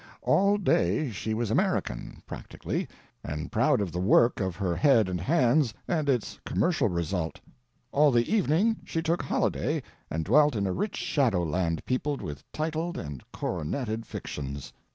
All day she was American, practically, and proud of the work of her head and hands and its commercial result; all the evening she took holiday and dwelt in a rich shadow land peopled with titled and coroneted fictions.